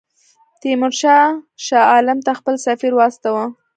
تیمورشاه شاه عالم ته خپل سفیر واستاوه.